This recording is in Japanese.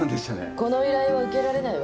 この依頼は受けられないわ。